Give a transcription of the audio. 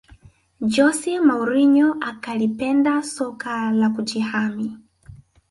Jose Mourinho akalipenda soka la kujihami